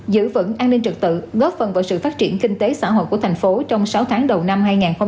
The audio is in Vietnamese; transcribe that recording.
giữ vững an ninh trực tự góp phần vào sự phát triển kinh tế xã hội của thành phố trong sáu tháng đầu năm hai nghìn hai mươi bốn